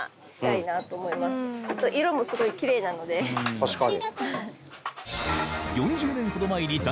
確かに。